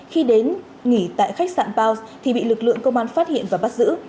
khi đến nghỉ tại khách sạn paos thì bị lực lượng công an phát hiện và bắt giữ